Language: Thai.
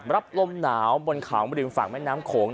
รับลมหนาวบนเขาริมฝั่งแม่น้ำโขง